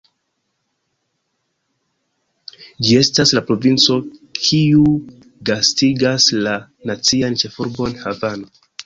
Ĝi estas la provinco kiu gastigas la nacian ĉefurbon, Havano.